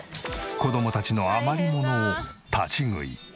子供たちの余り物を立ち食い。